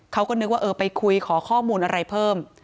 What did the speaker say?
เขาก็นึกว่าเออไปคุยขอข้อมูลอะไรเพิ่ม